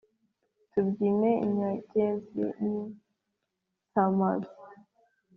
tubyine nyangezi n’insamaza